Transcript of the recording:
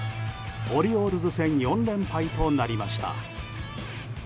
オリオールズ戦４連敗となりました。